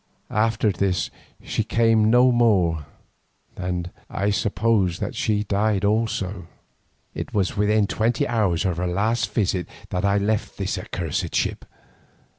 After this she came no more, and I suppose that she died also. It was within twenty hours of her last visit that I left this accursed ship.